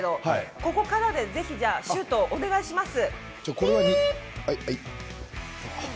ここからぜひシュートお願いします。